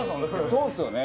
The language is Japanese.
そうですよね。